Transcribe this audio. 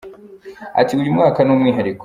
Ati “ Uyu mwaka ni umwihariko.